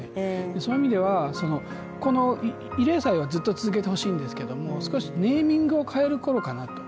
その意味では慰霊祭はずっと続けてほしいんですけれども少しネーミングを変えるころかなと。